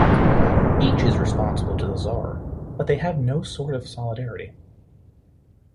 Each is responsible to the Czar, but they have no sort of solidarity.